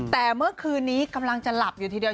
แต่เมื่อคืนนี้กำลังจะหลับอยู่ทีเดียว